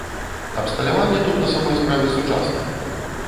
Абсталяванне тут на самой справе сучаснае.